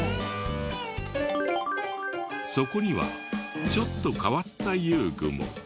そこにはちょっと変わった遊具も。